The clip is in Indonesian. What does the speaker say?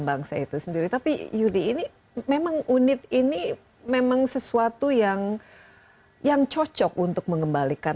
bangsa itu sendiri tapi yudi ini memang unit ini memang sesuatu yang yang cocok untuk mengembalikan